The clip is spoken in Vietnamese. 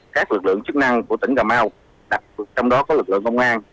các lực lượng chức năng của tỉnh cà mau trong đó có lực lượng công an